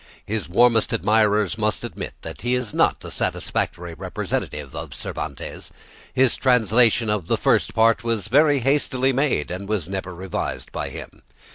His warmest admirers must admit that he is not a satisfactory representative of Cervantes. His translation of the First Part was very hastily made and was never revised by him.